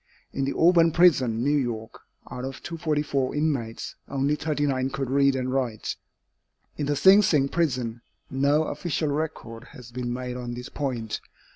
In the Auburn prison, New York, out of 244 inmates, only 39 could read and write. In the Sing Sing prison, no official record has been made on this point.